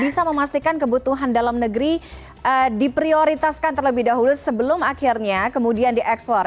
bisa memastikan kebutuhan dalam negeri diprioritaskan terlebih dahulu sebelum akhirnya kemudian diekspor